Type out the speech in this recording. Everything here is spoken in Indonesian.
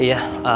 ini udah berubah